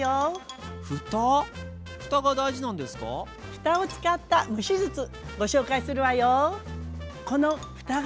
ふたを使った蒸し術ご紹介するわよ。